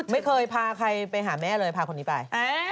ไม่เคยพาใครไปหาแม่เลยพาคนนี้ไป